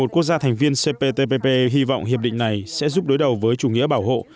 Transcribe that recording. một quốc gia thành viên cptpp hy vọng hiệp định này sẽ giúp đối đầu với chủ nghĩa bảo hộ